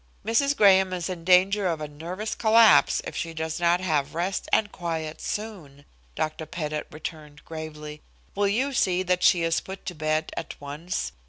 "Mrs. Graham is in danger of a nervous collapse if she does not have rest and quiet soon," Dr. Pettit returned gravely. "Will you see that she is put to bed at once?